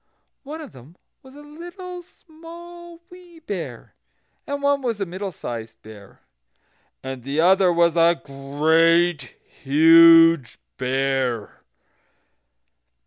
One of them was a Little Small Wee Bear, and one was a Middle sized Bear, and the other was a Great Huge Bear.